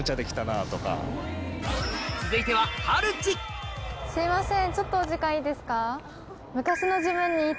続いてはすいません。